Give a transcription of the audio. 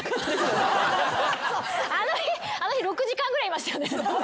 あの日６時間ぐらいいましたよね。